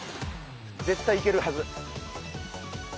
絶対いけるはず！